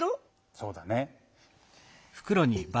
そうだね。